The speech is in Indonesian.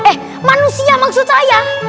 eh manusia maksud saya